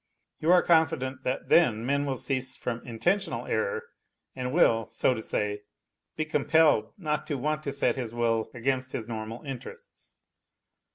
You are confident that then man will cease from intentional error and will, so to Bay, be compelled not to want to set his will against his normal interests.